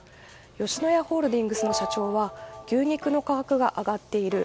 吉野家ホールディングスの社長は牛肉の価格が上がっている。